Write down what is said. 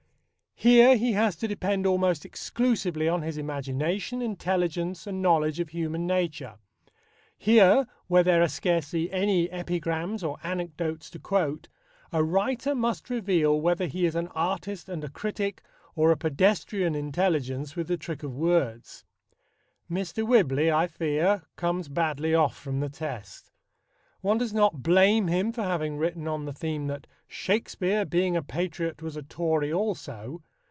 Here he has to depend almost exclusively on his imagination, intelligence, and knowledge of human nature. Here, where there are scarcely any epigrams or anecdotes to quote, a writer must reveal whether he is an artist and a critic, or a pedestrian intelligence with the trick of words. Mr. Whibley, I fear, comes badly off from the test. One does not blame him for having written on the theme that "Shakespeare, being a patriot, was a Tory also."